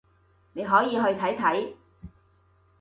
你可以去睇睇